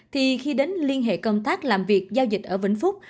thì khi đến liên hệ công tác làm việc giao dịch ở vĩnh phúc